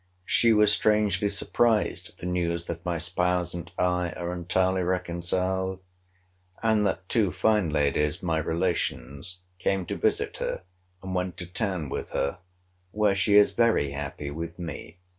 She was strangely surprised at the news that my spouse and I are entirely reconciled; and that two fine ladies, my relations, came to visit her, and went to town with her: where she is very happy with me.